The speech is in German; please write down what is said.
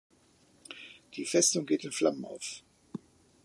Die Festung geht in Flammen auf.